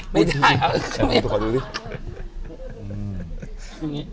ไม่ได้ออก